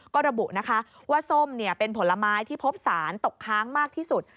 ก็ระบุนะคะว่าส้มเป็นผลไม้ที่พบสารตกค้างมากที่สุด